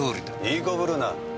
いい子ぶるな！